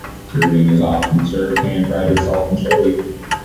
Rubing is often served pan fried with salt and chilli.